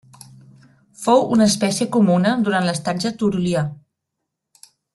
Fou una espècie comuna durant l'estatge Turolià.